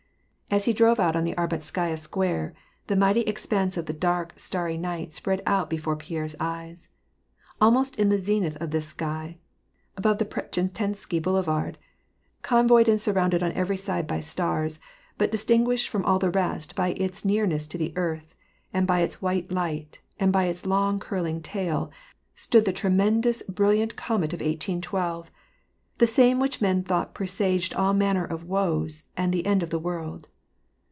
As he drove out on the Arbatskaya Square, the mighty expanse of the dark, starry sky spread out before Pierre's eyes. Almost in the zenith of this sky — above the Pretchistensky Boule vard,— convoyed and surrounded on every side by stars, but distinguished from all the rest by its nearness to the earth, and by its white light, and by its long, curling tail, stood the tremendous brilliant comet of 1812, — the same which men thought presaged all manner of woes and the end of the world.